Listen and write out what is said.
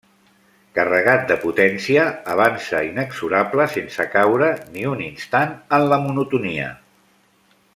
Carregat de potència, avança inexorable sense caure ni un instant en la monotonia.